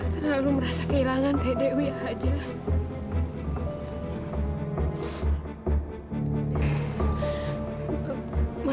terlalu merasa kehilangan teh dewi aja